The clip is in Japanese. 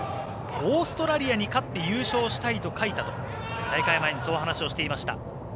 オーストラリアに勝って優勝したいと書いたと大会前に話していました。